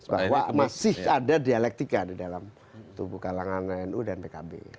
bahwa masih ada dialektika di dalam tubuh kalangan nu dan pkb